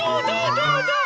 どうどう？